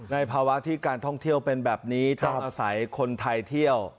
ภาวะที่การท่องเที่ยวเป็นแบบนี้ต้องอาศัยคนไทยเที่ยว